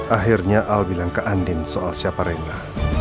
akhirnya aku bilang ke andien soal siapa renda